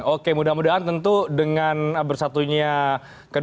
oke mudah mudahan tentu dengan bersatunya kedua kubu ini paling penting kita berkumpul